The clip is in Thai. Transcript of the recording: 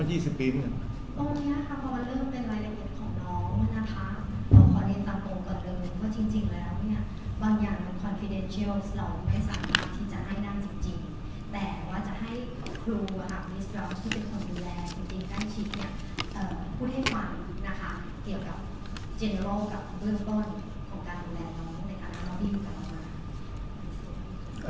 ในการรอบรีบกันมา